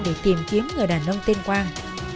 để tìm kiếm người đàn ông tên quang